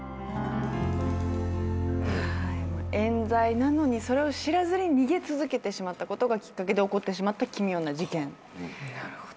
冤罪なのにそれを知らずに逃げ続けてしまったことがきっかけで起こってしまった奇妙な事件。